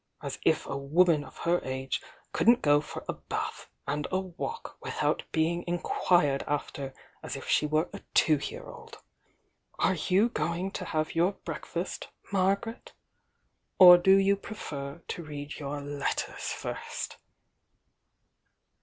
As jf a woman of her age couldn't go for a bath and a walk without being inquired after as if she were a two year old! Are you going to have your break fast, Margaret? — or do you prefer to read your let ters first?"